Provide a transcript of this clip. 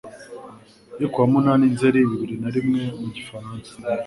yo ku wa munani Nzeri bibiri na rimwe mu gifaransa.